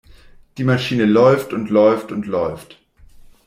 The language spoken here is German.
Die Maschine läuft und läuft und läuft.